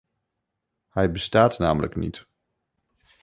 Hij bestaat namelijk niet.